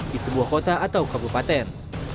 di sebuah kota atau kabupaten